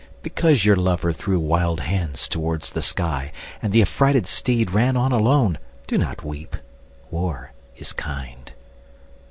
Because your lover threw wild hands toward the sky And the affrighted steed ran on alone, Do not weep. War is kind.